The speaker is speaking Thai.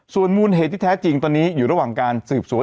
ส่วนมูลเหตุที่แท้จริงตอนนี้อยู่ระหว่างการสืบสวน